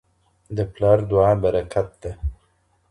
د پلار دعا برکت ده.